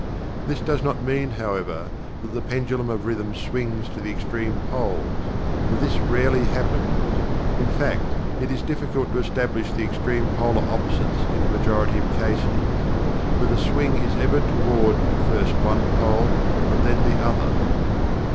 This does not mean, however, that the pendulum of Rhythm swings to the extreme poles, for this rarely happens; in fact, it is difficult to establish the extreme polar opposites in the majority of cases. But the swing is ever "toward" first one pole and then the other.